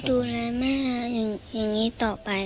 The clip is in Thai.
ดูแลแม่อย่างนี้ต่อไป